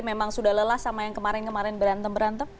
memang sudah lelah sama yang kemarin kemarin berantem berantem